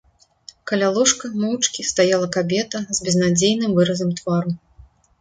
Каля ложка моўчкі стаяла кабета з безнадзейным выразам твару.